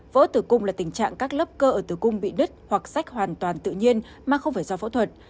vỡ tử cung là tình trạng các lớp cơ ở tử cung bị đứt hoặc sách hoàn toàn tự nhiên mà không phải do phẫu thuật